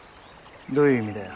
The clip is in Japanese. どういう意味だよ？